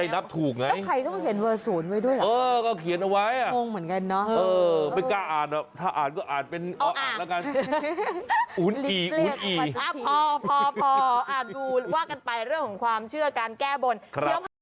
อุ๊ยตมแล้วก็แตกได้อีกอย่าไปจับแรงเดี๋ยวจุกอ้าวนี่